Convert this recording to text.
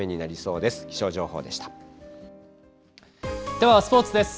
では、スポーツです。